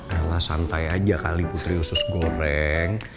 alah santai aja kali putri sus goreng